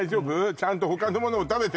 ちゃんと他のものも食べてる？